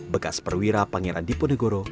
bekas perwira pangeran diponegoro